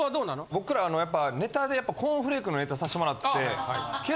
僕らやっぱネタでやっぱコーンフレークのネタさせてもらって。